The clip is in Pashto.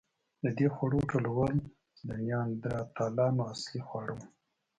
د دې خوړو ټولول د نیاندرتالانو اصلي خواړه وو.